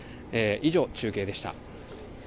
以上、中継でした。